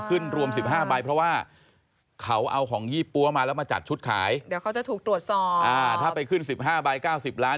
ก็ไม่ใช่แนะนำวิ่งวอน